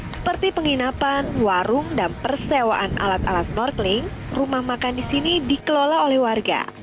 seperti penginapan warung dan persewaan alat alat snorkeling rumah makan di sini dikelola oleh warga